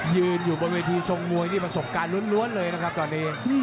ยืนอยู่บนเวทีทรงมวยนี่ประสบการณ์ล้วนเลยนะครับตอนนี้